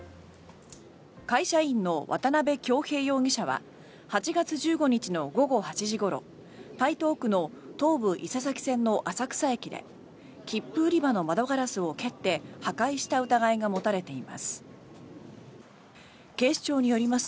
会社員の渡邊恭平容疑者は８月１５日の午後８時ごろ台東区の東武伊勢崎線の浅草駅で切符売り場の窓ガラスを蹴って破壊した疑いが持たれています。